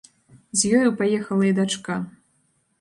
З ёю паехала і дачка.